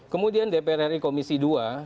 kemudian dpr ri komisi dua